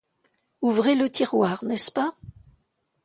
Ouvrez le tiroir, n'est-ce pas?